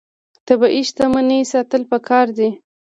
طبیعي شتمنۍ ساتل پکار دي.